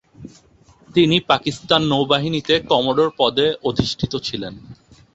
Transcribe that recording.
তিনি পাকিস্তান নৌবাহিনীতে কমোডোর পদে অধিষ্ঠিত ছিলেন।